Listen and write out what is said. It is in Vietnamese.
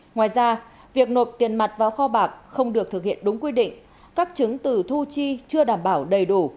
ngoài ra việc nộp tiền mặt vào kho bạc không được thực hiện đúng quy định các chứng từ thu chi chưa đảm bảo đầy đủ